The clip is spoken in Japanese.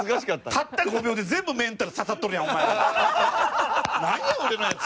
たった５秒で全部メンタル刺さっとるやんお前らの。なんや俺のやつ。